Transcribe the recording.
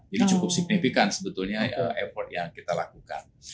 jadi cukup signifikan sebetulnya effort yang kita lakukan